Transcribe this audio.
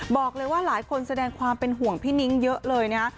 บอกเลยว่าหลายคนแสดงความเป็นห่วงพี่นิ้งเยอะเลยนะ